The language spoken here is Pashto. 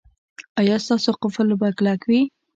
ایا ستاسو قفل به کلک وي؟